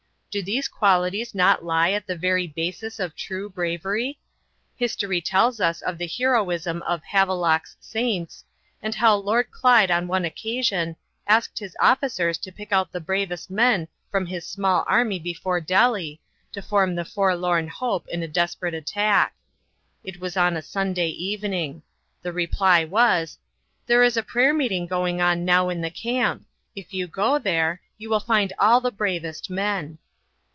Do these qualities not lie at the very basis of true bravery? History tells us of the heroism of "Havelock's saints," and how Lord Clyde, on one occasion, asked his officers to pick out the bravest men from his small army before Delhi, to form the forlorn hope in a desperate attack. It was on a Sunday evening. The reply was: "There is a prayer meeting going on now in the camp. If you go there you will find all the bravest men."